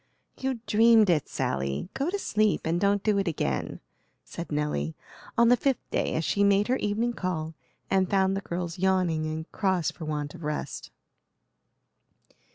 "You dreamed it, Sally. Go to sleep, and don't do it again," said Nelly, on the fifth day, as she made her evening call and found the girls yawning and cross for want of rest.